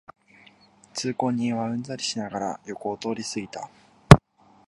通行人はうんざりしながら横を通りすぎた